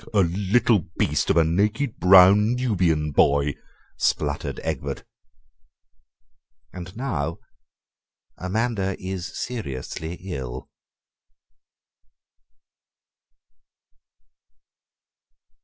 "A little beast of a naked brown Nubian boy," spluttered Egbert. And now Amanda is seriously ill.